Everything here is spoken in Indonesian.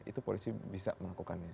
itu polisi bisa melakukannya